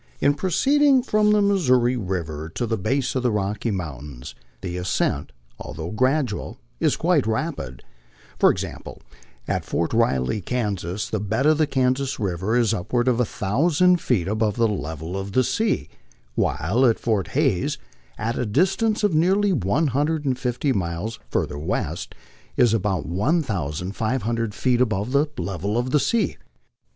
In proceeding from the Missouri river to the base of the Rocky Mountains, the ascent, although gradual, is quite rapid. For example, at Fort Riley, Kansas, the bed of the Kansas river is upward of 1,000 feet above the level of the sea, while Fort Hays, at a distance of nearly 150 miles further west, is about 1,500 feet above the level of the sea.